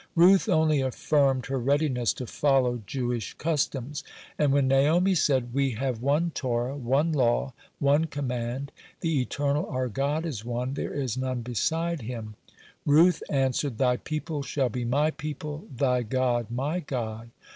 Ruth only affirmed her readiness to follow Jewish customs. (46) And when Naomi said: "We have one Torah, one law, one command; the Eternal our God is one, there is none beside Him," Ruth answered: "Thy people shall be my people, thy God my God."